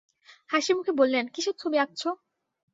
হাসিমুখে বললেন, কিসের ছবি আঁকছ?